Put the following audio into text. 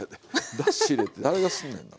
だし入れて誰がすんねんな。